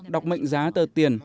đọc mệnh giá tờ tiền